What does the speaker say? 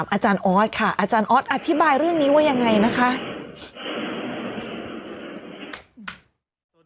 มันมันมันมันมันมันมันมันมันมันมันมันมันมันมัน